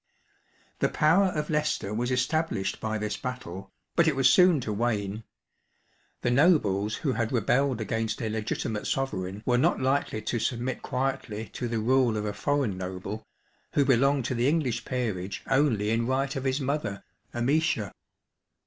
The power of Leicester was established by this battle, but it was soon to wane. The nobles who had rebelled against a legitimate sovereign were not likely to submit quietly to the rule of a foreign noble, who belonged to the English peerage only in right of his mother, Amicia.